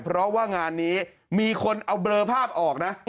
เพราะว่างานนี้มีคนเอาเบลอภาพออกนะ